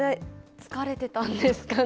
疲れてたんですかね？